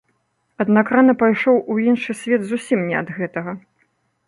Аднак рана пайшоў у іншы свет зусім не ад гэтага.